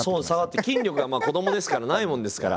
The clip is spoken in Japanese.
筋力が子どもですからないもんですから。